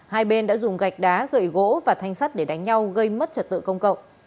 hai bên đã dùng gạch đá gậy gỗ và thanh sắt để đánh nhau gây mất trật tự công cộng